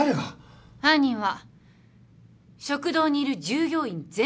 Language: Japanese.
犯人は食堂にいる従業員全員です。